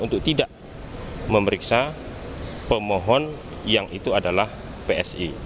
untuk tidak memeriksa pemohon yang itu adalah psi